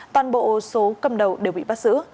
toàn bộ số cầm đầu đều bị bắt giữ